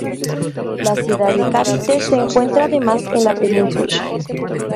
La ciudad de Cavite se encuentra además en la península.